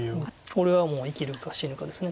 これはもう生きるか死ぬかです。